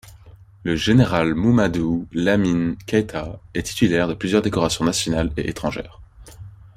Le Général Mouhamadou Lamine Keita est titulaire de plusieurs décorations nationales et étrangères.